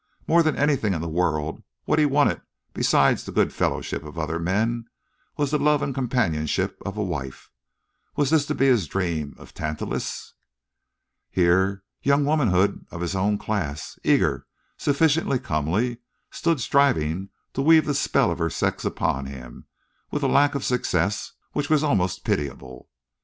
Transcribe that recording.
More than anything in the world, what he wanted besides the good fellowship of other men was the love and companionship of a wife. Was his to be the dream of Tantalus? Here, young womanhood of his own class, eager, sufficiently comely, stood striving to weave the spell of her sex upon him, with a lack of success which was almost pitiable.